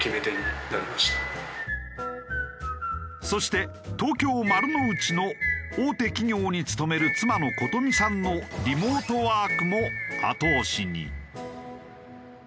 そして東京丸の内の大手企業に勤める妻の琴美さんのリモートワークも後押しに。